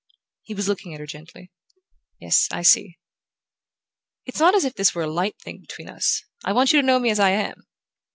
He was looking at her gently. "Yes: I see." "It's not as if this were a light thing between us. I want you to know me as I am.